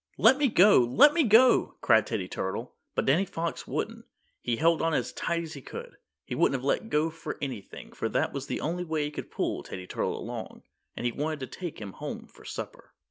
"Let me go! Let me go!" cried Teddy Turtle. But Danny Fox wouldn't. He held on as tight as he could. He wouldn't have let go for anything, for that was the only way he could pull Teddy Turtle along, and he wanted to take him home for supper.